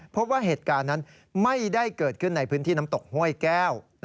พบว่าเหตุการณ์นั้นไม่ได้เกิดขึ้นในพื้นที่น้ำตกห้วยแก้ว